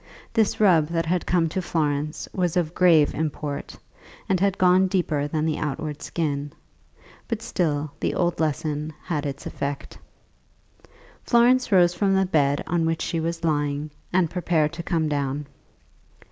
This rub that had come to Florence was of grave import, and had gone deeper than the outward skin; but still the old lesson had its effect. Florence rose from the bed on which she was lying, and prepared to come down.